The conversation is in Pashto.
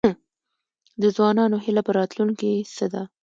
د ځوانانو هیله په راتلونکي څه ده؟